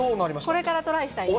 これからトライしたいです。